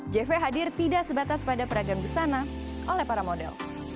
jv hadir tidak sebatas pada peragam busana oleh para model